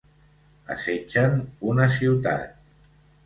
Assetgen una ciutat.